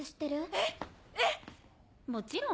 えっ⁉えっ⁉もちろん。